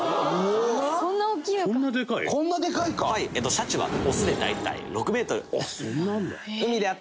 シャチはオスで大体６メートル。